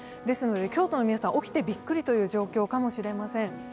ですので京都の皆さん、起きてびっくりという状況かもしれません。